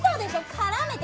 絡めて。